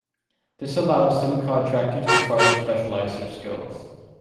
This allows subcontractors to further specialize their skills.